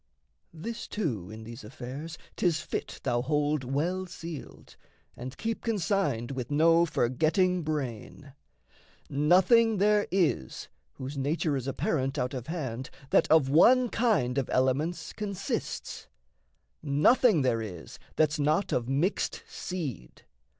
This, too, in these affairs 'Tis fit thou hold well sealed, and keep consigned With no forgetting brain: nothing there is Whose nature is apparent out of hand That of one kind of elements consists Nothing there is that's not of mixed seed.